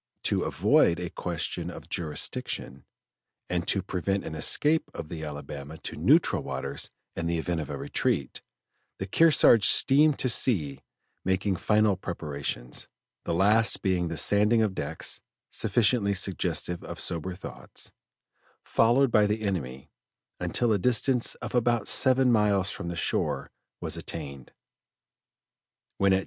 To avoid a question of jurisdiction, and to prevent an escape of the Alabama to neutral waters in the event of a retreat, the Kearsarge steamed to sea making final preparations, the last being the sanding of decks (sufficiently suggestive of sober thoughts), followed by the enemy, until a distance of about seven miles from the shore was attained, when at 10.